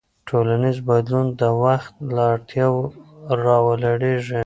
ټولنیز بدلون د وخت له اړتیاوو راولاړېږي.